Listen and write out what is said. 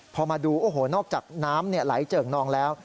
พอมาดูโอ้โหนอกจากน้ำไหลเจิ่งนองแล้ว